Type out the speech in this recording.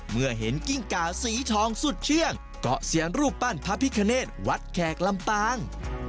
เมื่อเห็นกิ้งก่าสีทองสุดเชื่องเกาะเสียงรูปปั้นพระพิคเนธวัดแขกลำปาง